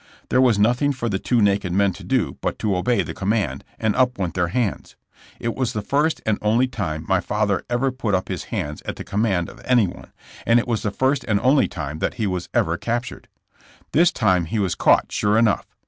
There was nothing for the two naked men to do but to obey the command, and up went their hands. It was the first and only time my father ever put up his hands at the command of anyone, and it was the first and only time that he was ever captured. This time he was caught sure enough.